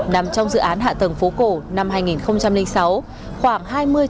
nằm trong dự án hạ tầng phố cổ năm hai nghìn sáu khoảng